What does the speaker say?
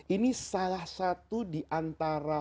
ini salah satu diantara